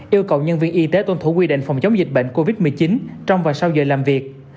yêu cầu nhân viên y tế tuân thủ quy định phòng chống dịch bệnh covid một mươi chín trong và sau giờ làm việc